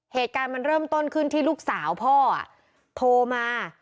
เหตุการณ์มันเริ่มต้นขึ้นที่ลูกสาวพ่อโทรมา